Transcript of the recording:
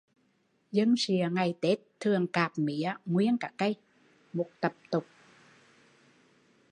Dân Sịa ngày Tết thường cạp mía nguyên cả cây, một tập tục